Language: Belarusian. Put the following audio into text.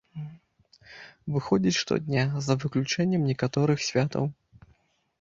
Выходзіць штодня, за выключэннем некаторых святаў.